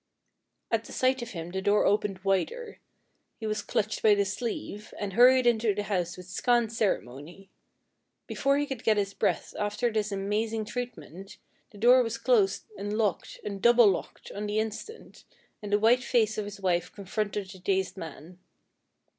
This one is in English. "At the sight of him the door opened wider. He was clutched by the sleeve and hurried into the house with scant ceremony. Before he could get his breath after this amazing treatment the door was closed and locked and double locked on the instant, and the white face of his wife confronted the dazed man.